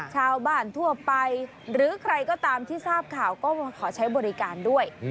ชาวบ้านทั่วไปหรือใครก็ตามที่ทราบข่าวก็มาขอใช้บริการด้วย